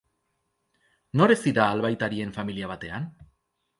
Nor hezi da albaitarien familia batean?